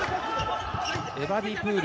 エバディプール。